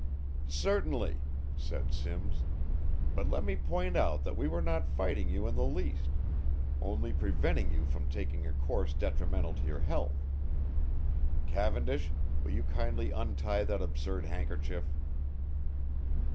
"Certainly," said Simms. "But let me point out that we were not fighting you in the least, only preventing you from taking a course detrimental to your health. Cavendish, will you kindly untie that absurd handkerchief?"